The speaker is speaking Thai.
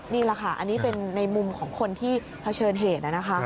นี่แหละค่ะอันนี้เป็นในมุมของคนที่เผชิญเหตุนะคะ